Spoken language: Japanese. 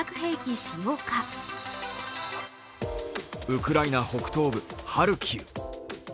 ウクライナ北東部ハルキウ。